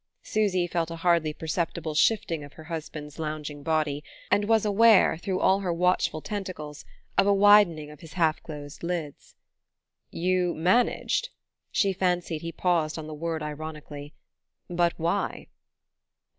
Susy felt a hardly perceptible shifting of her husband's lounging body, and was aware, through all her watchful tentacles, of a widening of his half closed lids. "You 'managed' ?" She fancied he paused on the word ironically. "But why?"